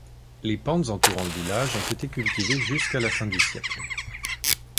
Les pentes entourant le village ont été cultivées jusqu'à la fin du siècle.